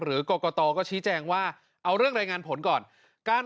หรือกรกตก็ชี้แจงว่าเอาเรื่องรายงานผลก่อน